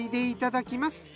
いただきます。